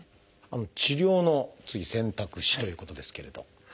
「治療の選択肢」ということですけれど。